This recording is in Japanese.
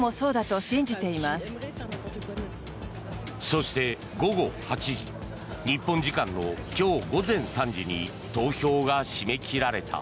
そして、午後８時日本時間の今日午前３時に投票が締め切られた。